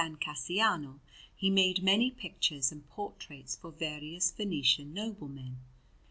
Cassiano, he made many pictures and portraits for various Venetian noblemen.